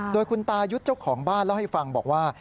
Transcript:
โดยคุณตายุทธ์เจ้าของบ้านเล่าให้ฟังบอกว่า